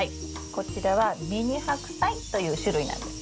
こちらはミニハクサイという種類なんです。